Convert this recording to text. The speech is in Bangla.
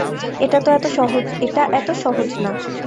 এটা এতো সহজ না।